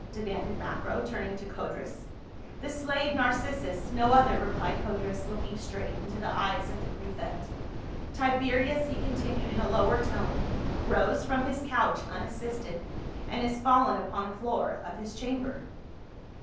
demanded Macro, turn ing to Codrus. " The slave Narcissus, no other," replied Codrus, looking straight into the eyes of the prefect. " Tibe rius," he continued, in a lower tone, "rose from his couch unassisted, and is fallen upon the floor of his chamber."